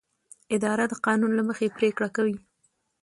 اداره د قانون له مخې پریکړه کوي.